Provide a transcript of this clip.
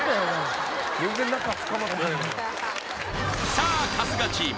さあ春日チーム